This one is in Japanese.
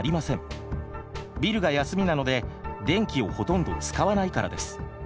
ビルが休みなので電気をほとんど使わないからです。